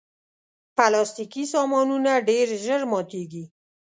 پلاستيکي سامانونه ډېر ژر ماتیږي.